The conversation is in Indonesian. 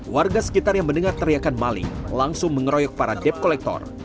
warga sekitar yang mendengar teriakan maling langsung mengeroyok para debt collector